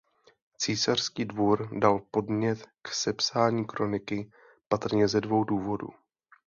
Císařský dvůr dal podnět k sepsání kroniky patrně ze dvou důvodů.